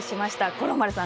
五郎丸さん